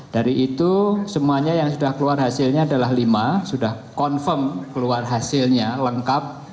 dari itu semuanya yang sudah keluar hasilnya adalah lima sudah confirm keluar hasilnya lengkap